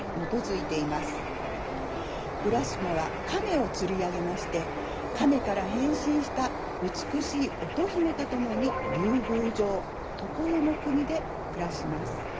浦島は亀を釣り上げまして亀から変身した美しい乙姫と共に竜宮城常世の国で暮らします。